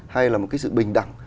hay là một cái sự bình đẳng